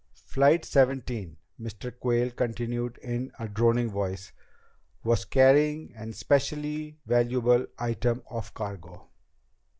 "Flight Seventeen," Mr. Quayle continued in a droning voice, "was carrying an especially valuable item of cargo.